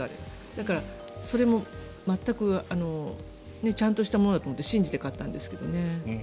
だから、それも全くちゃんとしたものだと思って信じて買ったんですけどね。